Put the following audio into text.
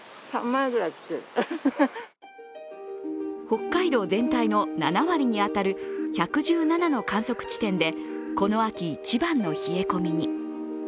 北海道全体の７割に当たる１１７の観測地点でこの秋一番の冷え込みに。